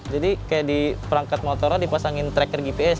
jadi kayak di perangkat motornya dipasangin tracker gps